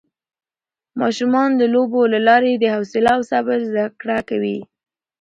ماشومان د لوبو له لارې د حوصله او صبر زده کړه کوي